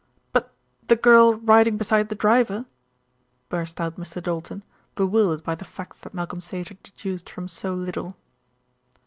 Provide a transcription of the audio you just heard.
"But the girl riding beside the driver?" burst out Mr. Doulton, bewildered by the facts that Malcolm Sage had deduced from so little.